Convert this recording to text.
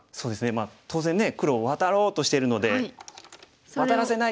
まあ当然ね黒ワタろうとしてるのでワタらせない。